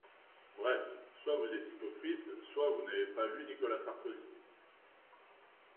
Bref, soit vous êtes hypocrites, soit vous n’avez pas lu Nicolas Sarkozy.